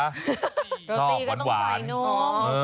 โรตี้ก็ต้องใส่นม